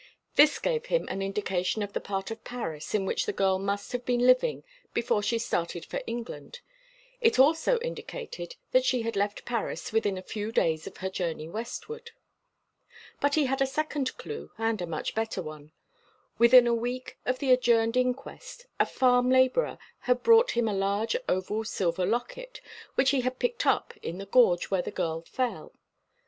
This gave him an indication of the part of Paris in which the girl must have been living before she started for England; it also indicated that she had left Paris within a few days of her journey westward. But he had a second clue, and a much better one. Within a week after the adjourned inquest, a farm labourer had brought him a large oval silver locket, which he had picked up in the gorge where the girl fell.